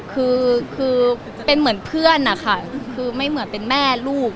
คือคือเป็นเหมือนเพื่อนนะคะคือไม่เหมือนเป็นแม่ลูก